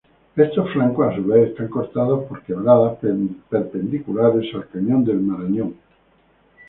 Estos flancos a su vez están cortados por quebradas perpendiculares al cañón del Marañón.